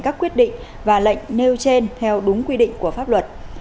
các quyết định và lệnh nêu trên theo đúng quy định của pháp luật